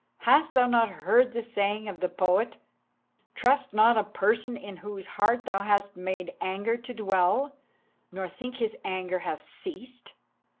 Hast thou not heard the saying of the poet? "'Trust not a person in whose heart thou hast made anger to dwell, nor think his anger hath ceased.